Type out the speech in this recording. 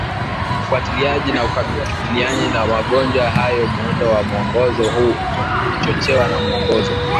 ufuatiliaji na ukabilianaji na magonjwa hayo Muundo wa Mwongozo huu umechochewa na Mwongozo